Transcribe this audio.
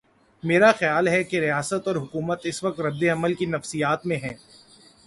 میرا خیال ہے کہ ریاست اور حکومت اس وقت رد عمل کی نفسیات میں ہیں۔